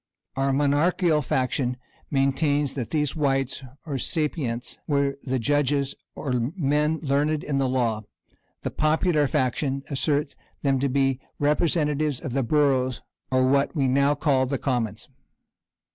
Our monarchical faction maintain that these "wites," or "sapientes," were the judges, or men learned in the law: the popular faction assert them to be representatives of the boroughs, or what we now call the commons.